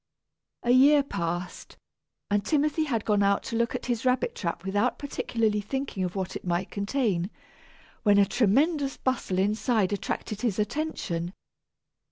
A year passed, and Timothy had gone out to look at his rabbit trap without particularly thinking of what it might contain, when a tremendous bustle inside attracted his attention.